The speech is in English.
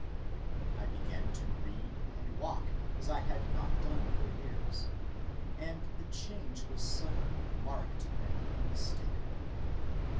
I began to read and walk as I had not done for years, and the change was sudden, marked, and unmistakable.